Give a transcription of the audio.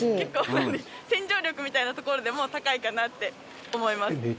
洗浄力みたいなところでも高いかなって思います。